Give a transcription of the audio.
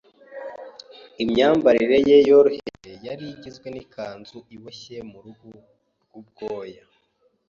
Imyambarire ye yoroheje, yari igizwe n’ikanzu iboshye mu ruhu rw’ubwoya